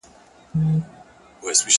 نه په منځ كي خياطان وه نه ټوكران وه٫